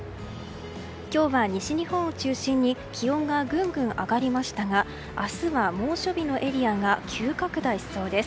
今日は西日本を中心に気温がぐんぐん上がりましたが明日は猛暑日のエリアが急拡大しそうです。